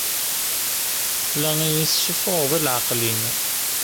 La iyi-tessuffuɣed i leɛqel-inu.